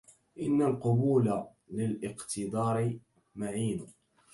إن القبول للاقتدار معين